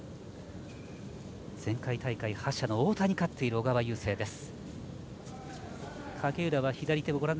前回大会覇者の太田に勝っている小川雄勢です。